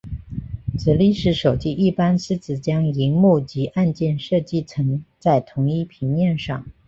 直立式手机一般将萤幕及按键设计成在同一平面上。